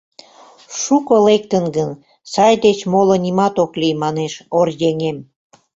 — Шуко лектын гын, сай деч моло нимат ок лий, — манеш оръеҥем.